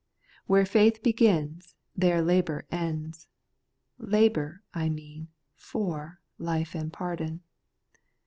* Where faith begins, there labour ends, — labour, I # mean, for life and pardon.